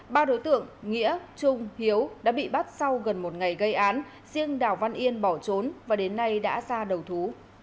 ba đối tượng nghĩa trung hiếu đã bị bắt sau gần một ngày gây án riêng đào văn yên bỏ trốn và đến nay đã ra đầu thú